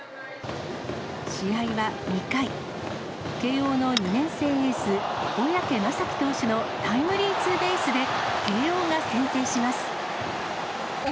試合は２回、慶応の２年生エース、小宅雅己選手のタイムリーツーベースで慶応が先制します。